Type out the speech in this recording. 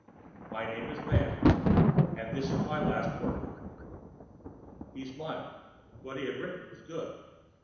MY NAME IS MAN AND THIS IS MY LAST WORK. He smiled. What he had written was good.